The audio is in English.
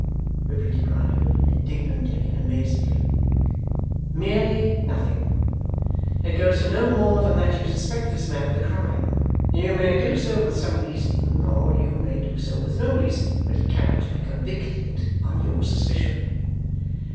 repeated Riderhood, indignantly and amazedly. 'Merely nothing. It goes to no more than that you suspect this man of the crime. You may do so with some reason, or you may do so with no reason, but he cannot be convicted on your suspicion.